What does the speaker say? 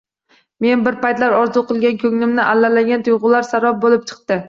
Men bir paytlar orzu qilgan, koʻnglimni allalagan tuygʻular sarob boʻlib chiqdi.